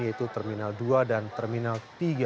yaitu terminal dua dan terminal tiga